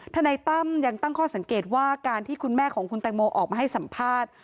นายตั้มยังตั้งข้อสังเกตว่าการที่คุณแม่ของคุณแตงโมออกมาให้สัมภาษณ์